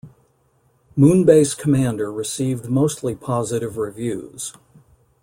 Moonbase Commander received mostly positive reviews.